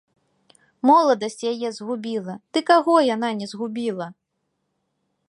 Моладасць яе згубіла, ды каго яна не згубіла!